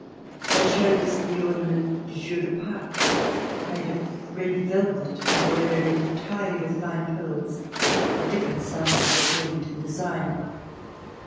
They showed us the ornament du jour de Paques, made of red velvet embroidered entirely with fine pearls of different sizes, according to the design.